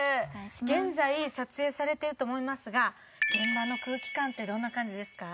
現在撮影されていると思いますが現場の空気感ってどんな感じですか？